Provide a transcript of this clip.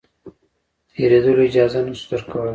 تېرېدلو اجازه نه شو درکولای.